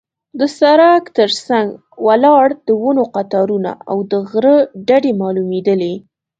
د سړک تر څنګ ولاړ د ونو قطارونه او د غره ډډې معلومېدلې.